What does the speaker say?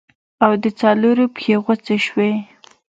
او د څلورو پښې غوڅې سوې.